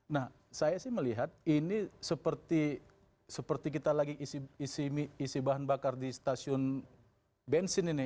nah saya sih melihat ini seperti kita lagi isi bahan bakar di stasiun bensin ini